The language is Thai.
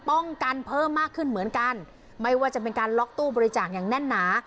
ป้องกันเพิ่มมากขึ้นเหมือนกันไม่ว่าจะเป็นการล็อกตู้บริจาคอย่างแน่นหนา